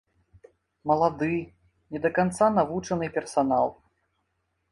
Малады, не да канца навучаны персанал.